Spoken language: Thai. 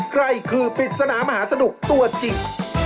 ใครคือปริศนามหาสนุกตัวจริง